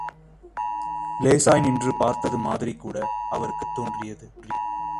லேசாய் நின்று பார்த்தது மாதிரிகூட அவருக்குத் தோன்றியது.